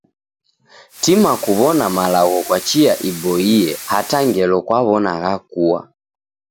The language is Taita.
Tima kuw'ona malagho kwa chia iboie hata ngelo kwaw'ona ghakua.